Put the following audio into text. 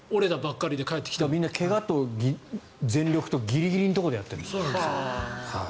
みんな怪我と全力とギリギリのところでやってるんです。